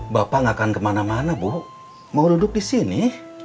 bapak nggak akan kemana mana bu mau duduk di sini